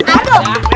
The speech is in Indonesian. ah eh aduh